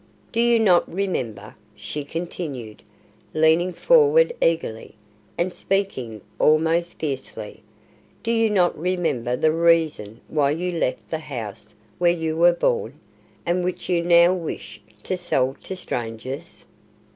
"Do you not remember?" she continued, leaning forward eagerly, and speaking almost fiercely. "Do you not remember the reason why you left the house where you were born, and which you now wish to sell to strangers?"